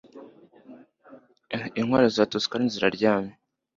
Intwari za Tuscans ziryamye